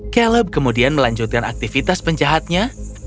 caleb kemudian melanjutkan aktivitas penjahatnya